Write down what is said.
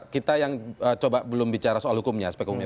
kita yang coba belum bicara soal hukumnya aspek hukumnya